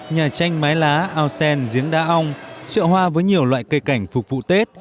nhà tranh mái lá ao sen giếng đá ong chợ hoa với nhiều loại cây cảnh phục vụ tết